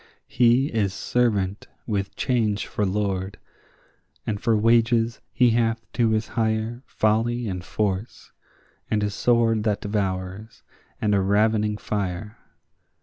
He is servant with Change for lord, and for wages he hath to his hire Folly and force, and a sword that devours, and a ravening fire.